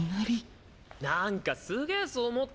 なんかすげーそう思ったんスよ。